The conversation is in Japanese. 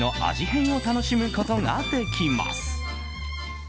変を楽しむことができます。